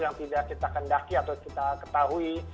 yang tidak kita kendaki atau kita ketahui